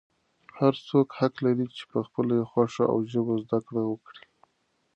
هر څوک حق لري چې په خپله خوښه او ژبه زده کړه وکړي.